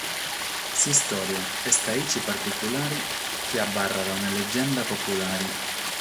S’istòria est aici particulare chi abarrat una legenda populare.